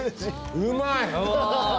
うまい。